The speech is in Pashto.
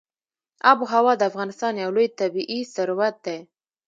آب وهوا د افغانستان یو لوی طبعي ثروت دی.